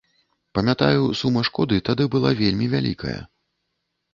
Памятаю, сума шкоды тады была вельмі вялікая.